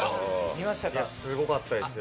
すごかったですよ。